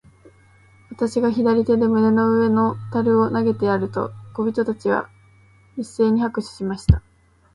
私が左手で胸の上の樽を投げてやると、小人たちは一せいに拍手しました。